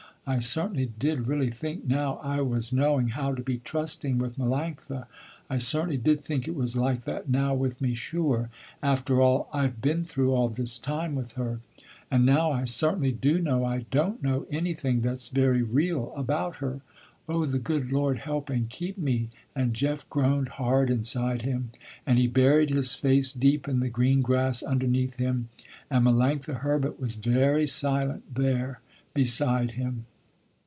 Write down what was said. I certainly did really think now I was knowing how to be trusting with Melanctha. I certainly did think it was like that now with me sure, after all I've been through all this time with her. And now I certainly do know I don't know anything that's very real about her. Oh the good Lord help and keep me!" and Jeff groaned hard inside him, and he buried his face deep in the green grass underneath him, and Melanctha Herbert was very silent there beside him.